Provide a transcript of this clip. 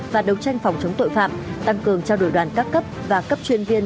và đấu tranh phòng chống tội phạm tăng cường trao đổi đoàn các cấp và cấp chuyên viên